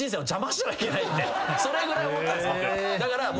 それぐらい思ったんです僕。